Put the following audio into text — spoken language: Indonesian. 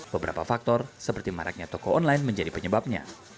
beberapa faktor seperti maraknya toko online menjadi penyebabnya